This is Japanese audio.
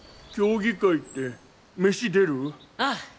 ああ。